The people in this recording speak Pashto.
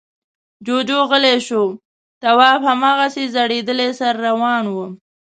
جُوجُو غلی شو. تواب هماغسې ځړېدلی سر روان و.